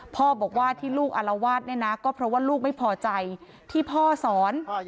พ่อบอกว่าที่ลูกอารวาสเนี่ยนะก็เพราะว่าลูกไม่พอใจที่พ่อสอน